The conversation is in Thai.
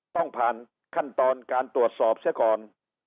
ต้องผ่านขั้นตอนการตรวจสอบเสียก่อน